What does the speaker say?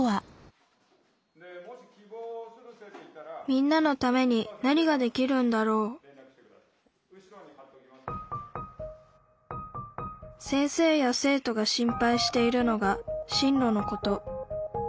みんなのために何ができるんだろう先生や生徒が心配しているのが進路のこと。